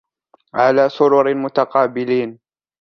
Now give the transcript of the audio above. على سرر متقابلين